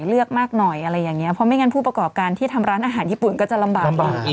เลือกมากหน่อยอะไรอย่างเงี้เพราะไม่งั้นผู้ประกอบการที่ทำร้านอาหารญี่ปุ่นก็จะลำบากกว่าอีก